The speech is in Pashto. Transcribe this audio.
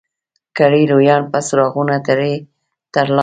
کړي لویان به څراغونه ترې ترلاسه